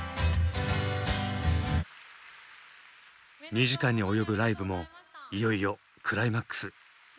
２時間に及ぶライブもいよいよクライマックス。